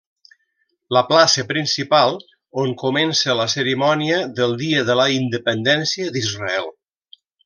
La plaça principal, on comença la cerimònia del Dia de la Independència d'Israel.